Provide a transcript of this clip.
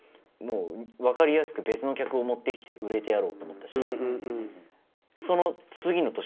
もうわかりやすく別の客を持ってきて売れてやろうと思ったし。